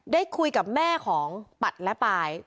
ได้คุยกับแม่ของปัดและปาย